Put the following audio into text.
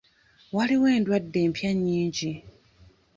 Waliwo endwadde empya nnyingi.